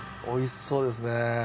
おいしそうですね。